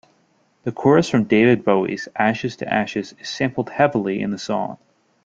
The chorus from David Bowie's "Ashes to Ashes" is sampled heavily in the song.